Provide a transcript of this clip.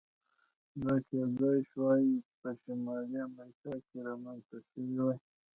دا کېدای شوای چې په شمالي امریکا کې رامنځته شوی وای.